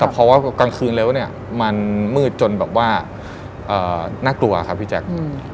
เพราะว่ากลางคืนแล้วเนี่ยมันมืดจนแบบว่าน่ากลัวครับพี่แจ๊ค